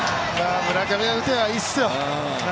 村上が打てばいいっすよ。